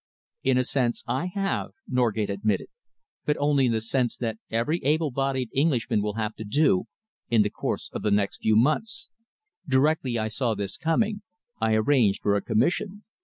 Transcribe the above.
"In a sense I have," Norgate admitted, "but only in the sense that every able bodied Englishman will have to do, in the course of the next few months. Directly I saw this coming, I arranged for a commission."